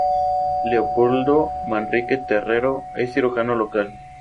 Leopoldo Manrique Terrero" un cirujano local.